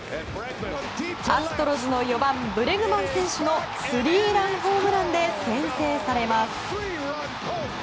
アストロズの４番ブレグマン選手のスリーランホームランで先制されます。